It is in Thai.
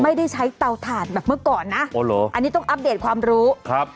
ไม่ได้ใช้เตาถ่านแบบเมื่อก่อนนะอ๋อเหรออันนี้ต้องอัปเดตความรู้ครับ